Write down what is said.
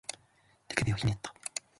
手首をひねった